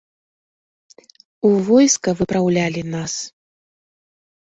У войска выпраўлялі нас?